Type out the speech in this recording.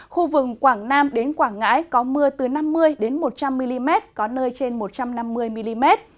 khu vực quảng nam đến quảng ngãi có mưa từ năm mươi một trăm linh mm có nơi trên một trăm năm mươi mm